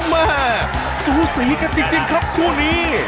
แม่สูสีกันจริงครับคู่นี้